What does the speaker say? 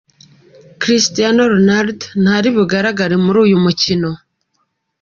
Cristiano Ronaldo ntari bugaragare muri uyu mukino .